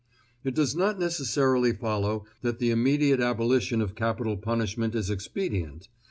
It does not necessarily follow that the immediate abolition of capital punishment is expedient.